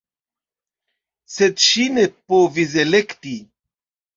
Sed ŝi ne povis elekti.